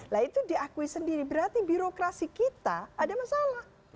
nah itu diakui sendiri berarti birokrasi kita ada masalah